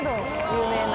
有名な。